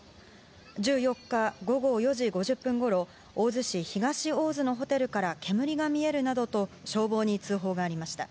１４日午後４時５０分ごろ大洲市東大洲のホテルから煙が見えるなどと消防に通報がありました。